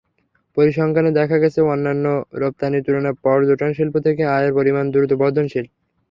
পরিসংখ্যানে দেখা গেছে, অন্যান্য রপ্তানির তুলনায় পর্যটনশিল্প থেকে আয়ের পরিমাণ দ্রুত বর্ধনশীল।